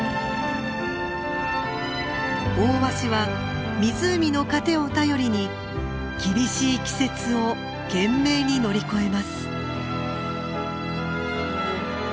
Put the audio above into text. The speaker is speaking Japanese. オオワシは湖の糧を頼りに厳しい季節を懸命に乗り越えます。